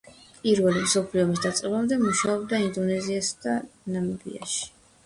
პირველი მსოფლიო ომის დაწყებამდე მუშაობდა ინდონეზიასა და ნამიბიაში.